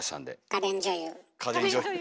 家電女優！